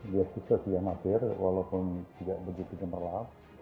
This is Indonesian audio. dia sesuai amatir walaupun tidak begitu jemerlap